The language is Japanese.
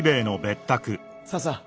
さあさあ